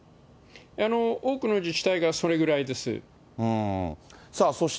多くの自治体がそれぐらいです。